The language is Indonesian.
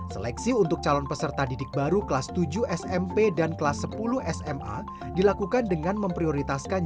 seleksi untuk calon peserta didik baru kelas tujuh smp dan kelas sepuluh sma dilakukan dengan memprioritaskan